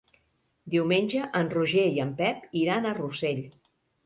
Diumenge en Roger i en Pep iran a Rossell.